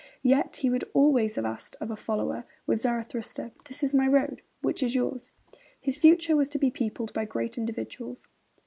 Yet he would always have asked of a follower, with Zarathustra: 'This is my road; which is yours?' His future was to be peopled by great individuals.